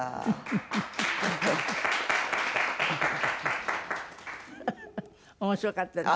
フフ面白かったです。